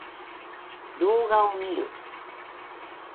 動画を見る